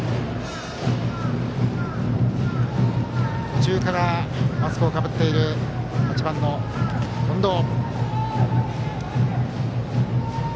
途中からマスクをかぶっている８番の近藤。